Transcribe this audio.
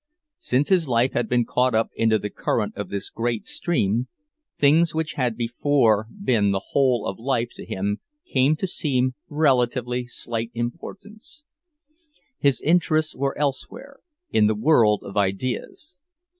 Since his life had been caught up into the current of this great stream, things which had before been the whole of life to him came to seem of relatively slight importance; his interests were elsewhere, in the world of ideas.